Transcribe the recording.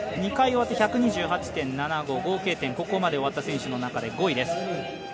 ２回終わって１２８．７５合計点、ここまで終わった選手の中で５位です。